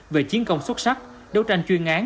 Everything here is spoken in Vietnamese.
về chiến công xuất sắc đấu tranh chuyên án